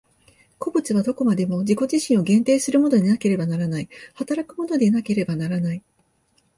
個物はどこまでも自己自身を限定するものでなければならない、働くものでなければならない。